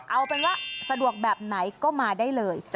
เอาเป็นว่าสะดวกแบบไหนก็มาได้เลย